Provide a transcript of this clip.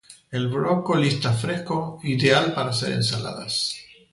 El brócoli está fresco. Ideal para hacer ensaladas.